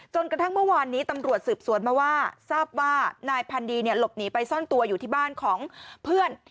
จนกระทั่งเมื่อวานนี้ตำรวจสืบสวนมาว่าทราบว่านายพันดีหลบหนีไปซ่อนตัวอยู่ที่บ้านของเพื่อน